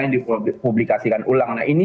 yang dipublikasikan ulang nah ini